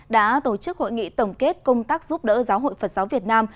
đã tổ chức hội nghị tổng kết công tác giúp đỡ giáo hội phật giáo việt nam